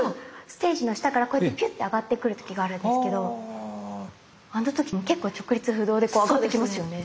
ステージの下からこうやってピュって上がってくる時があるんですけどあの時とかも結構直立不動でこう上がってきますよね。